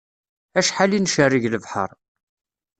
Acḥal i ncerreg lebḥer